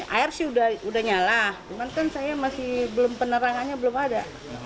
air sih sudah nyala cuman kan saya masih penerahannya belum ada